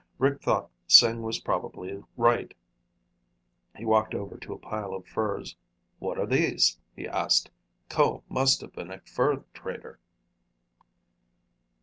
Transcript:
Rick thought Sing was probably right. He walked over to a pile of furs. "What are these?" he asked. "Ko must have been a fur trader."